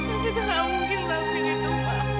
aku tak mungkin ngelakuin itu ma